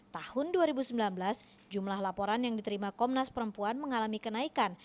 tahun dua ribu sembilan belas jumlah laporan yang diterima komnas perempuan mengalami kenaikan